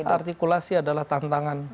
artikulasi adalah tantangan